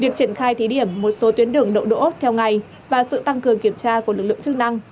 việc triển khai thí điểm một số tuyến đường đậu đỗ theo ngày và sự tăng cường kiểm tra của lực lượng chức năng